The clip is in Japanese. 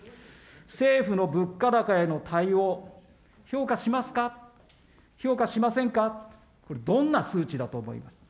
政府の物価高への対応、評価しますか、評価しませんか、これ、どんな数値だと思います。